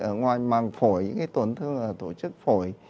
ở ngoài màng phổi những cái tổn thương ở tổ chức phổi